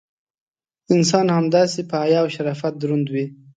انسان همداسې: په حیا او شرافت دروند وي.